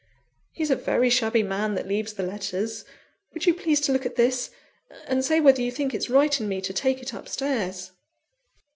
He's a very shabby man that leaves the letters would you please to look at this, and say whether you think it's right in me to take it up stairs."